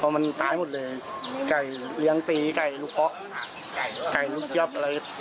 เพราะมันตายหมดเลยไก่เลี้ยงตีไก่ลูกเกาะไก่ลูกเจี๊ยบอะไร